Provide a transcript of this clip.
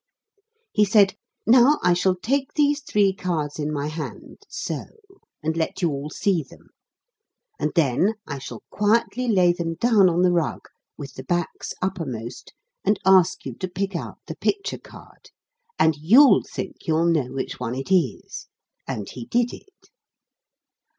He said: "Now I shall take these three cards in my hand so and let you all see them. And then I shall quietly lay them down on the rug, with the backs uppermost, and ask you to pick out the picture card. And you'll think you know which one it is." And he did it.